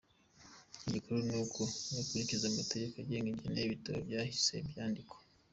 Igikuru nuko yokurikiza amategeko agenga ingene ibitabo vya kahise vyandikwa.